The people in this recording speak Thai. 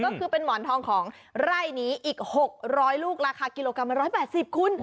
ก็คือเป็นหมอนทองของไร่นี้อีก๖๐๐ลูกราคากิโลกรัมละ๑๘๐คุณ